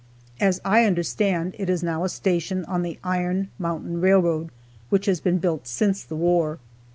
As I understand, it is now a station on the Iron Mountain railroad, which has been built since the war.